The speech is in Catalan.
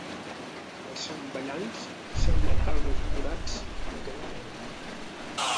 Els Zamballans semblen arbres morats que caminen.